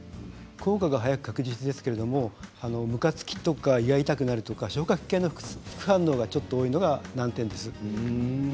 効果が早く確実ですけどむかつきとか胃が痛くなるとか消化器系の副反応が多いのが難点です。